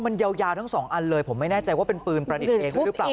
มันยาวทั้งสองอันเลยผมไม่แน่ใจว่าเป็นปืนประดิษฐ์เองด้วยหรือเปล่า